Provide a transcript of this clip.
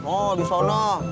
oh di sana